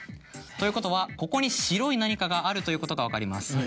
ということはここに白い何かがあるということが分かります。